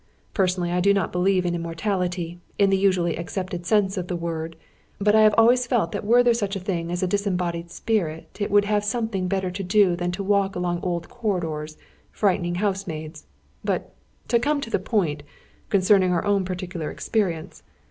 Personally, I do not believe in immortality, in the usually accepted sense of the word; but I have always felt that were there such a thing as a disembodied spirit, it would have something better to do than to walk along old corridors, frightening housemaids! But, to come to the point, concerning our own particular experience.